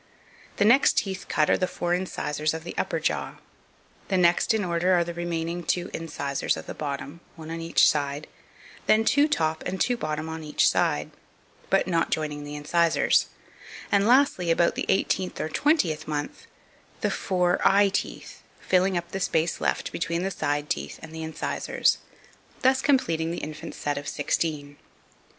The next teeth cut are the four incisors of the upper jaw. The next in order are the remaining two incisors of the bottom, one on each side, then two top and two bottom on each side, but not joining the incisors; and lastly, about the eighteenth or twentieth month, the four eye teeth, filling up the space left between the side teeth and the incisors; thus completing the infant's set of sixteen.